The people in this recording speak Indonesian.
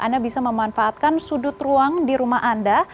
anda bisa memanfaatkan sudut ruang di rumah anda